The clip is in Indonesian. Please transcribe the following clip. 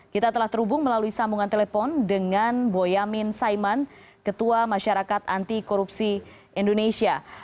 kita telah terhubung melalui sambungan telepon dengan boyamin saiman ketua masyarakat anti korupsi indonesia